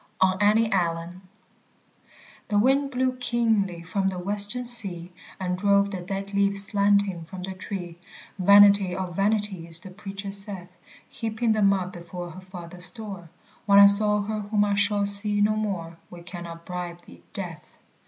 ON ANNE ALLEN. The wind blew keenly from the Western sea, And drove the dead leaves slanting from the tree Vanity of vanities, the Preacher saith Heaping them up before her Father's door When I saw her whom I shall see no more We cannot bribe thee, Death.